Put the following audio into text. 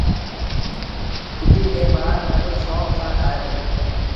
ڪُٽي کي مآل وڏي شوڪ سآݩ کآئي دو۔